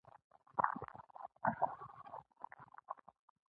حموربي په دې ډول خاوره د ژوند کولو سمې لارې ته سمه کړه.